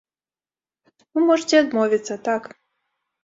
Вы можаце адмовіцца, так.